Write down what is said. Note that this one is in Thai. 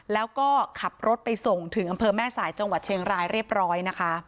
แล้วก็ขับรถไปส่งถึงอำเภอแม่สายจังหวัดเชียงรายเรียบร้อยนะคะ